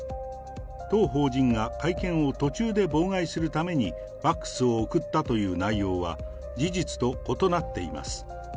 当法人が会見を途中で妨害するために、ファックスを送ったという内容は、事実と異なっています。